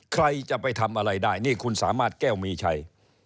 ใครจะไปทำอะไรได้นี่คุณสามารถแก้วมีชัย